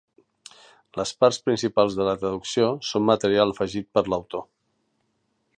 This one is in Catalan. Les parts principals de la traducció són material afegit per l'autor.